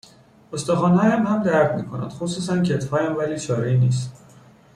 استخوانهایم هم درد میکند خصوصا کتفهایم ولی چارهای نیست